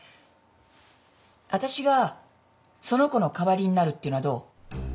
わたしがその子の代わりになるっていうのはどう？」